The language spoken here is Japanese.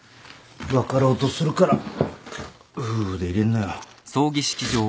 分かろうとするから夫婦でいれんのよ。